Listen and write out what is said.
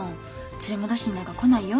連れ戻しになんか来ないよ。